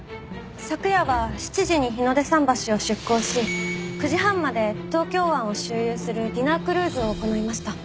昨夜は７時に日の出桟橋を出港し９時半まで東京湾を周遊するディナークルーズを行いました。